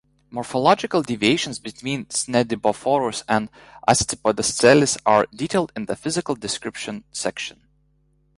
Morphological deviations between "Cnemidophorus" and "Aspidoscelis" are detailed in the Physical Description section.